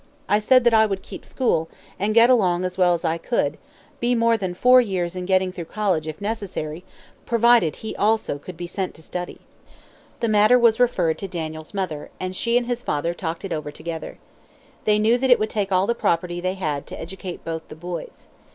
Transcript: I said that I would keep school, and get along as well as I could, be more than four years in getting through college, if necessary, provided he also could be sent to study." The matter was referred to Daniel's mother, and she and his father talked it over together. They knew that it would take all the property they had to educate both the boys.